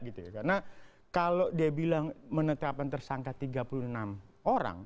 karena kalau dia bilang menetapkan tersangka tiga puluh enam orang